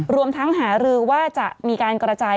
รวมทั้งหารือว่าจะมีการกระจาย